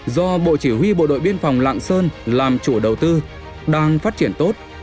do bộ chỉ huy bộ đội biên phòng lạng sơn làm chủ đầu tư đang phát triển tốt